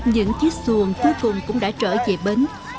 những chiếc xuồng cuối cùng cũng đã trở về bến